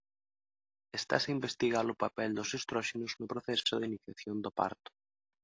Estase a investigar o papel dos estróxenos no proceso da iniciación do parto.